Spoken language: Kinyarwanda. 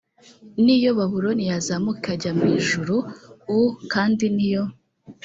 niyo babuloni yazamuka ikajya mu ijuru u kandi niyo